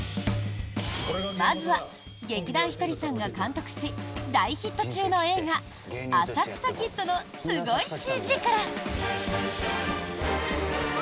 まずは劇団ひとりさんが監督し大ヒット中の映画「浅草キッド」のすごいＣＧから。